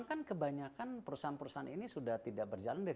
kan kebanyakan perusahaan perusahaan ini sudah tidak berjalan dari dua ribu delapan